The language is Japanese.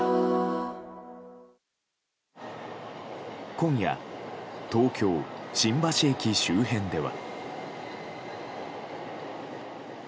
今夜、東京・新橋駅周辺では。